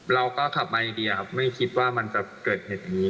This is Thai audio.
เราก็ขับมาอย่างดีครับไม่คิดว่ามันจะเกิดเหตุงี้